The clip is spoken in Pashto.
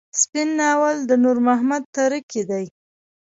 سپين ناول د نور محمد تره کي دی.